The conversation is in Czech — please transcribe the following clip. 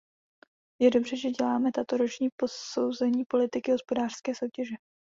Je dobře, že děláme tato roční posouzení politiky hospodářské soutěže.